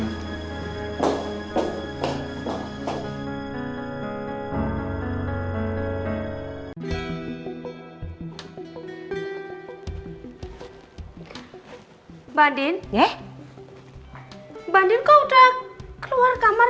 mbak adin kok udah keluar kamar